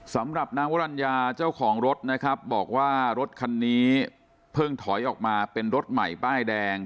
สำหรับนางวรรณญาเจ้าของรถนะครับบอกว่ารถคันนี้เพิ่งถอยออกมาเป็นรถใหม่ป้ายแดง